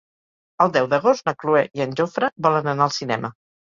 El deu d'agost na Cloè i en Jofre volen anar al cinema.